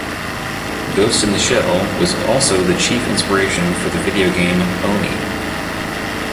"Ghost in the Shell" was also the chief inspiration for the video game "Oni".